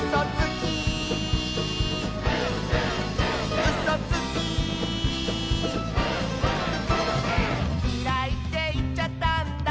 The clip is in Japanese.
「きらいっていっちゃったんだ」